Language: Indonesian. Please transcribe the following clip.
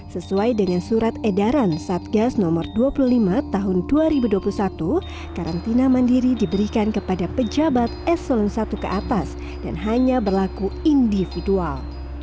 sesuai dengan surat edaran satgas no dua puluh lima tahun dua ribu dua puluh satu karantina mandiri diberikan kepada pejabat eselon satu ke atas dan hanya berlaku individual